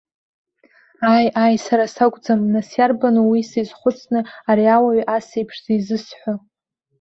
Ааи, ааи, сара сакәӡам, нас иарбану уи сизхәыцны ари ауаҩ ас еиԥш зизысҳәо.